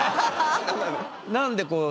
何でこう